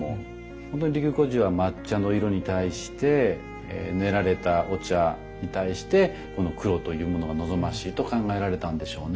本当に利休居士は抹茶の色に対して練られたお茶に対してこの黒というものが望ましいと考えられたんでしょうね。